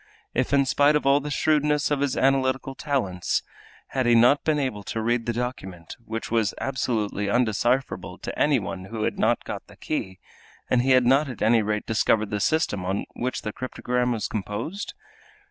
If, in spite of all the shrewdness of his analytical talents, he had not been able to read the document, which was absolutely undecipherable to any one who had not got the key, had he not at any rate discovered the system on which the cryptogram was composed?